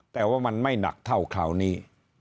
แต่ว่ามันไม่หนักเท่าคราวนี้